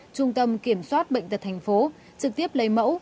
trung tâm kiểm soát bệnh tật thành phố trực tiếp lấy mẫu